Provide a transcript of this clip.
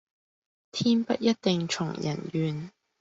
天不一定從人願